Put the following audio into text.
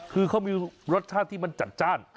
คือเขามีรสชาติที่มันจัดจ้าน